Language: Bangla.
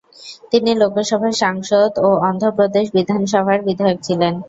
তিনি লোকসভার সাংসদ ও অন্ধ্রপ্রদেশ বিধানসভার বিধায়ক ছিলেন।